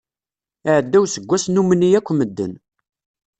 Iɛedda useggas nummen-iyi akk medden.